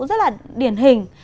rất là điển hình